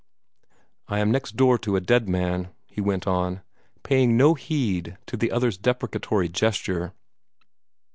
"I am next door to a dead man," he went on, paying no heed to the other's deprecatory gesture.